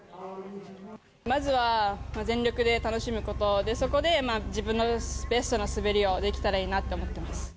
まずは全力で楽しむこと、そこで自分のベストな滑りをできたらいいなと思ってます。